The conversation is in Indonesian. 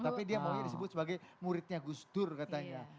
tapi dia maunya disebut sebagai muridnya gus dur katanya